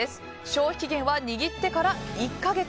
消費期限は握ってから１か月。